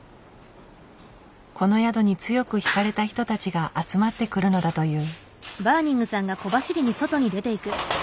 この宿に強く惹かれた人たちが集まってくるのだという。